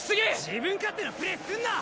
自分勝手なプレーすんな！